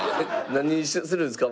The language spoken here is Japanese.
何にするんですか？